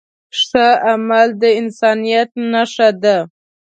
ښه عمل د انسانیت نښه ده.